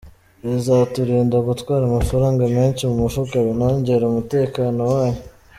Bizaturinda gutwara amafaranga menshi mu mufuka, binongere umutekano wayo.